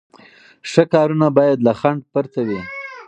ښه کارونه باید له خنډ پرته وي.